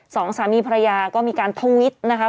สองสามีภรรยาก็มีการทวิตนะคะ